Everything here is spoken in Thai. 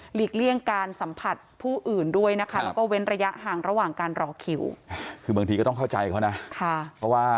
หลีกเลี่ยงการสัมผัสผู้อื่นด้วยและเว้นระยะห่างระหว่างการรอคิว